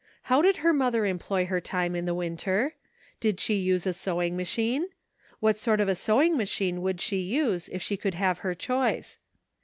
How did her mother employ her time in the winter? Did she use a sewing ma chine? What sort of a sewing machine would she use if she could have her choice?